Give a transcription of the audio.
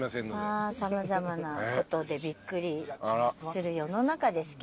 様々なことでびっくりする世の中ですけど。